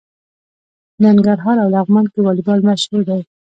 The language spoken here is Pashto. په ننګرهار او لغمان کې والیبال مشهور دی.